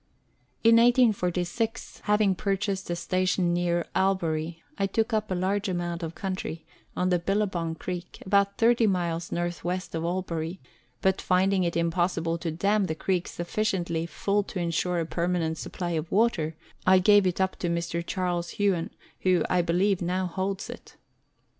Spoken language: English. In 1846, having purchased a station near Albury, I took up a large amount of country on the Billabong Creek, about thirty miles north west of Albury ; but finding it impossible to dam the creek sufficiently full to ensure a permanent supply of water, I gave it up to Mr. Charles Huon, who, I believe, now holds it.